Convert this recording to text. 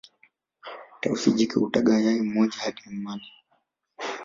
tausi jike hutaga yai moja hadi manne